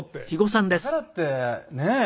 でもだからってねえ